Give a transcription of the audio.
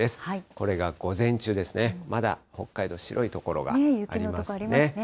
これが午前中ですね、まだ北海道、雪の所ありますね。